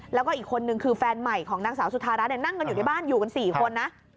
แล้วก็อีกคนนึงคือแฟนใหม่ของนางสาวสุธารัฐนั่งกันอยู่ในบ้านอยู่กัน๔คนนะ